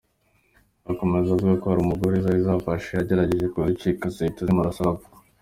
Arakomeza avuga ko hari umugore zari zafashe agerageje kuzicika zihita zimurasa arapfa.